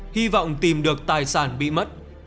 hi vọng tìm được tài sản bị mất